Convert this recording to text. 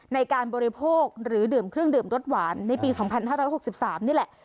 ในการบริโภคหรือดื่มเครื่องดื่มรสหวานในปี๒๕๖๓นี่แหละ